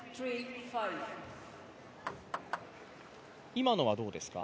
今のはどうですか？